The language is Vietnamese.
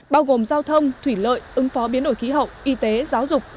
bao gồm giao thông thủy lợi ứng phó biến đổi khí hậu y tế giáo dục